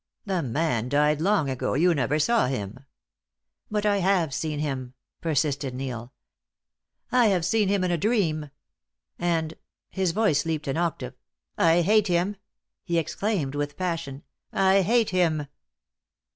"The man died long ago you never saw him." "But I have seen him," persisted Neil. "I have seen him in a dream, and" his voice leaped an octave "I hate him," he exclaimed with passion. "I hate him."